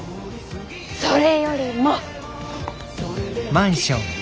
それよりも。